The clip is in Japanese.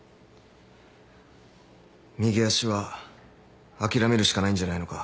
右足は諦めるしかないんじゃないのか？